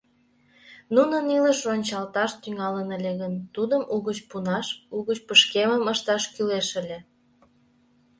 Нунын илыш рончылташ тӱҥалын ыле гын, тудым угыч пунаш, угыч пышкемым ышташ кӱлеш ыле...